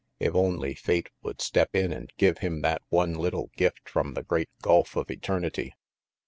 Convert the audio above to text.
If only Fate would step in and give him that one little gift from the great gulf of eternity.